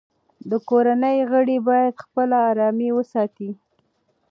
د کورنۍ غړي باید خپله ارامي وساتي.